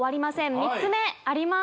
３つ目あります